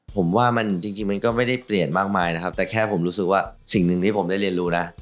ผมว่ามันจริงมันก็ไม่ได้เปลี่ยนมากมายนะครับแต่แค่ผมรู้สึกว่าสิ่งหนึ่งที่ผมได้เรียนรู้นะ